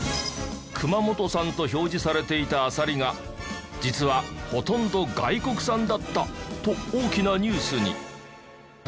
熊本産と表示されていたアサリが実はほとんど外国産だったと大きなニュースに。